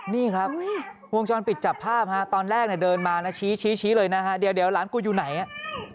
นี่ครับวงจรปิดจับภาพฮะตอนแรกเนี่ยเดินมานะชี้ชี้เลยนะฮะเดี๋ยวหลานกูอยู่ไหนอ่ะ